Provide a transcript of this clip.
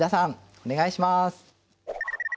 お願いします。